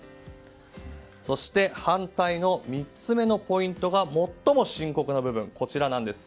そして反対の３つ目のポイントが最も深刻な部分です。